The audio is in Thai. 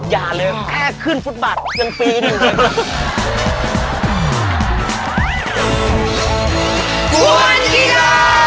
อย่าเลยแค่ขึ้นฟุตบัตรกันปีหนึ่ง